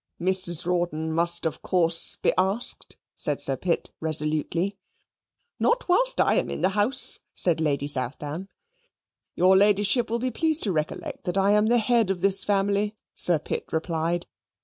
"Mrs. Rawdon must of course be asked," said Sir Pitt, resolutely. "Not whilst I am in the house!" said Lady Southdown. "Your Ladyship will be pleased to recollect that I am the head of this family," Sir Pitt replied.